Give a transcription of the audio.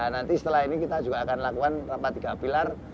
nanti setelah ini kita juga akan lakukan rapat tiga pilar